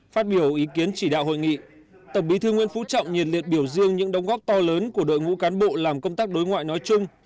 phát biểu ý kiến chỉ đạo hội nghị tổng bí thư nguyễn phú trọng nhiệt liệt biểu dương những đồng góp to lớn của đội ngũ cán bộ làm công tác đối ngoại nói chung